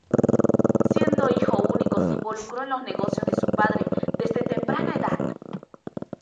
Siendo hijo único, se involucró en los negocios de su padre desde temprana edad.